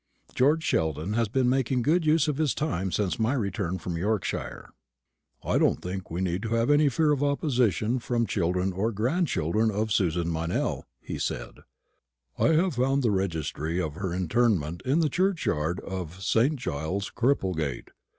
George Sheldon has been making good use of his time since my return from Yorkshire. "I don't think we need have any fear of opposition from children or grandchildren of Susan Meynell," he said; "I have found the registry of her interment in the churchyard of St. Giles's, Cripplegate.